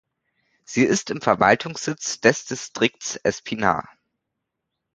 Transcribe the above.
Sie ist Verwaltungssitz des Distrikts Espinar.